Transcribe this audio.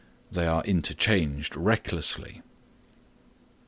They are interchanged recklessly.